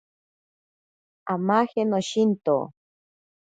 Amaje noshinto.